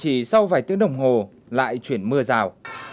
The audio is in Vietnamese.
chỉ sau vài tiếng đồng hồ lại chuyển mưa rào